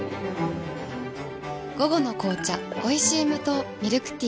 午後の紅茶おいしい無糖ミルクティー